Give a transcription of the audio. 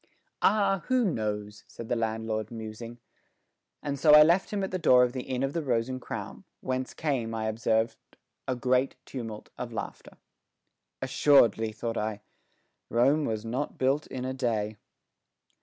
"Ah, who knows?" said the landlord, musing. And so I left him at the door of the Inn of the Rose and Crown, whence came, I observed, a great tumult of laughter. "Assuredly," thought I, "Rome was not built in a day."